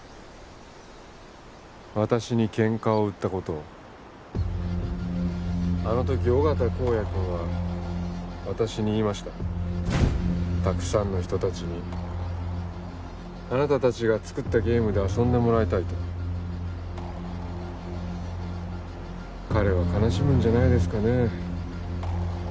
私にケンカを売ったことをあの時緒方公哉君は私に言いましたたくさんの人達にあなた達が作ったゲームで遊んでもらいたいと彼は悲しむんじゃないですかね